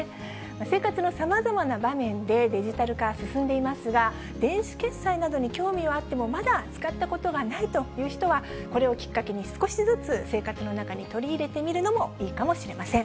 生活のさまざまな場面で、デジタル化進んでいますが、電子決済などに興味はあってもまだ使ったことがないという人は、これをきっかけに少しずつ生活の中に取り入れてみるのもいいかもしれません。